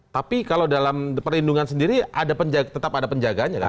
tapi kalau dalam perlindungan sendiri tetap ada penjaganya kan